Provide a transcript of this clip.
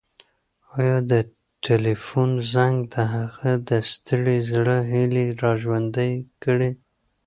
ایا د تلیفون زنګ د هغه د ستړي زړه هیلې راژوندۍ کړې؟